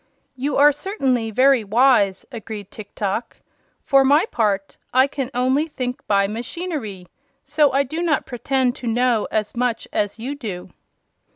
"You are cer tain ly ve ry wise," agreed Tiktok. "For my part, I can on ly think by ma chin er y, so I do not pre tend to know as much as you do."